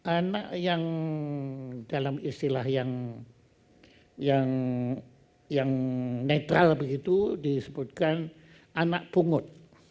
anak yang dalam istilah yang netral begitu disebutkan anak pungut